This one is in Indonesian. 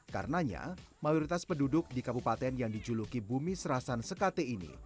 karenanya mayoritas penduduk di kabupaten yang dijuluki bumi serasan sekate ini